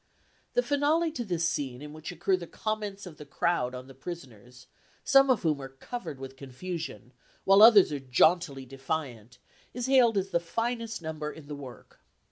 The finale to this scene in which occur the comments of the crowd on the prisoners, some of whom are covered with confusion, while others are jauntily defiant, is hailed as the finest number in the work.